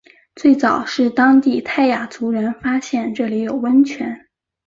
最早是当地泰雅族人发现这里有温泉。